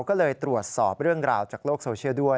ก็เลยตรวจสอบเรื่องราวจากโลกโซเชียลด้วย